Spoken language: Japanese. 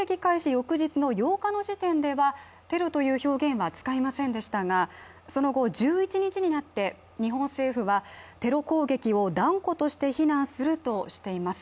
翌日の８日の時点では、テロという表現は使いませんでしたがその後、１１日になって、日本政府はテロ攻撃を断固として非難するとしています。